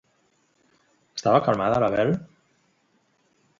Estava calmada la Bel?